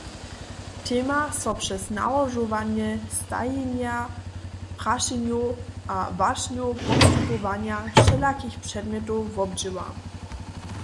Tema so přez nałožowanje stajenja prašenjow a wašnjow postupowanja wšelakich předmjetow wobdźěła.